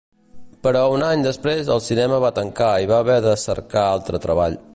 Però un any després el cinema va tancar i va haver de cercar altre treball.